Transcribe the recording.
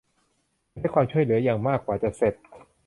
มันใช้ความช่วยเหลืออย่างมากกว่าจะเสร็จ